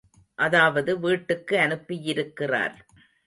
அதாவது வீட்டுக்கு அனுப்பியிருக்கிறார்.